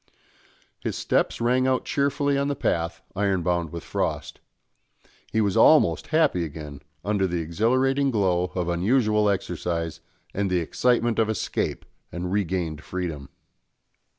His steps rang out cheerfully on the path ironbound with frost. He was almost happy again under the exhilarating glow of unusual exercise and the excitement of escape and regained freedom.